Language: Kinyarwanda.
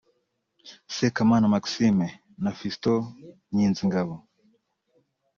Sekaman Maxime na Fiston Nyinzingabo